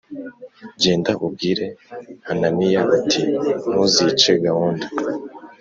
Genda ubwire hananiya uti ntuzice gahunda